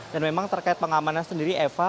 dan memang terkait pengamanan sendiri eva